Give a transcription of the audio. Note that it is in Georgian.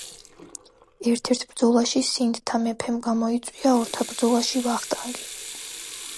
ერთ-ერთ ბრძოლაში სინდთა მეფემ გამოიწვია ორთაბრძოლაში ვახტანგი.